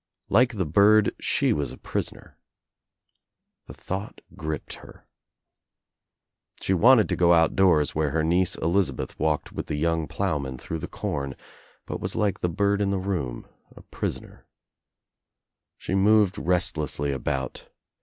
Like the bird she was a prisoner. The thought gripped her. She wanted to go outdoors where her niece Elizabeth walked with the young ploughman through the corn, but was like the bird in the room — a prisoner. She moved restlessly about.